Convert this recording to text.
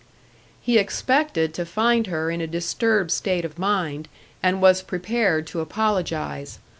He expected to find her in a disturbed state of mind, and was prepared to apologise.